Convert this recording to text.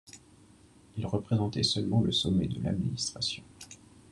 Il représentait seulement le sommet de l'administration.